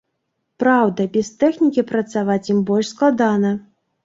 Праўда, без тэхнікі працаваць ім больш складана.